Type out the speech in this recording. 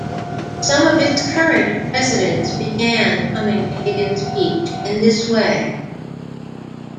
Some of its current residents began coming to Higgins Beach in this way.